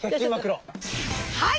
はい。